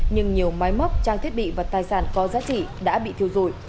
nhưng nhiều máy móc trang thiết bị và tài sản có giá trị đã bị thiêu dụi